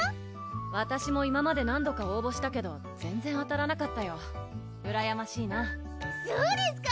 わたしも今まで何度が応募したけど全然当たらなかったようらやましいなそうですか？